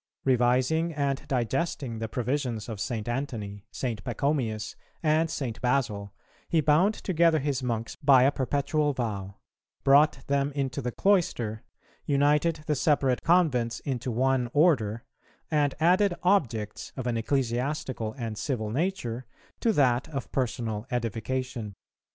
Revising and digesting the provisions of St. Antony, St. Pachomius, and St. Basil, he bound together his monks by a perpetual vow, brought them into the cloister, united the separate convents into one Order,[397:1] and added objects of an ecclesiastical and civil nature to that of personal edification.